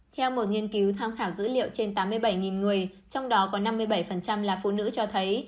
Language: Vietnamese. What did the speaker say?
theo một nghiên cứu tham khảo dữ liệu trên tám mươi bảy người trong đó có năm mươi bảy là phụ nữ cho thấy